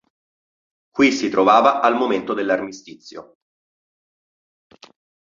Qui si trovava al momento dell'armistizio.